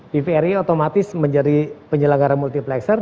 tvri otomatis menjadi penyelenggara multiplexer